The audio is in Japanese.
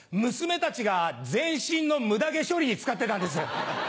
娘たちが全身の無駄毛処理に使ってたんです。